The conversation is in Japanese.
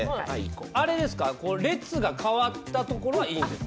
列が変わったところはいいんですか？